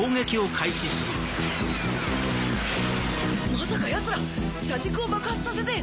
まさか奴ら車軸を爆発させて⁉